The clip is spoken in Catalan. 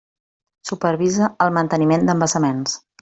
Supervisa el manteniment d'embassaments.